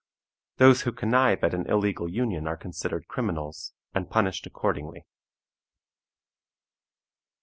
Those who connive at an illegal union are considered criminals, and punished accordingly.